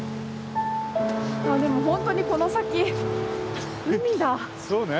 でも本当にこの先海だ。